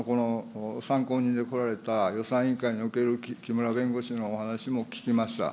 参考人で来られた予算委員会におけるきむら弁護士のお話も聞きました。